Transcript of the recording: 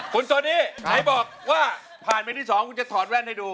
คุณโซดี้ไหนบอกว่าผ่านไปที่๒คุณจะถอดแว่นให้ดู